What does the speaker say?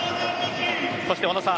そして小野さん